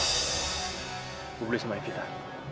aku boleh sama kita